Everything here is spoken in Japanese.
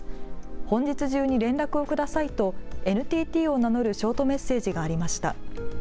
本日中に連絡をくださいとＮＴＴを名乗るショートメッセージがありました。